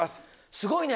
すごいね。